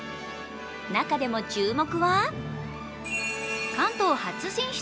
中でも注目は関東初進出！